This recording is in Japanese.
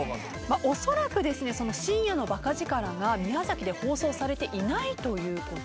おそらく『深夜の馬鹿力』が宮崎で放送されていないということで。